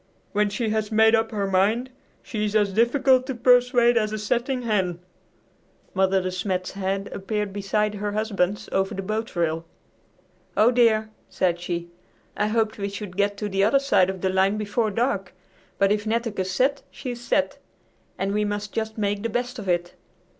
When she has made up her mind she is as difficult to persuade as a setting hen." Mother De Smet's head appeared beside her husband's over the boat rail. "Oh, dear!" said she; "I hoped we should get to the other side of the line before dark, but if Netteke's set, she's set, and we must just make the best of it.